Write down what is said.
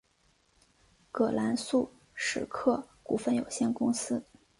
葛兰素史克股份有限公司。